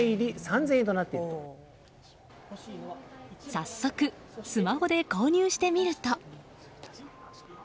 早速、スマホで購入してみると。